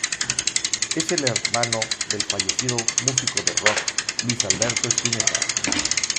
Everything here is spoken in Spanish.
Es hermano del fallecido músico de rock Luis Alberto Spinetta.